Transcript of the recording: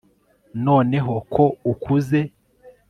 noneho ko ukuze